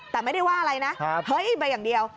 แต่ไม่ได้ว่าอะไรนะเฮ้ยไปอย่างเดียว